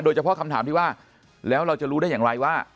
คำถามที่ว่าแล้วเราจะรู้ได้อย่างไรว่า